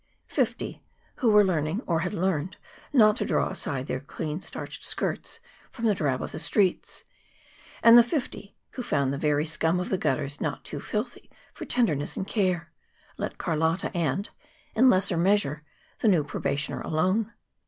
Fifty who were learning or had learned not to draw aside their clean starched skirts from the drab of the streets. And the fifty, who found the very scum of the gutters not too filthy for tenderness and care, let Carlotta and, in lesser measure, the new probationer alone.